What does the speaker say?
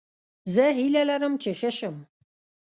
زه هیله لرم چې ښه شم